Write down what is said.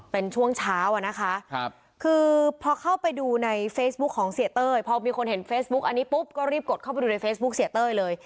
เป็นช่วงเช้าอะนะคะคือพอเข้าไปดูในเฟซบุ๊คของเสียเต้ยพอมีคนเห็นเฟซบุ๊กอันนี้ปุ๊บก็รีบกดเข้าไปดูในเฟซบุ๊คเสียเต้ยเลย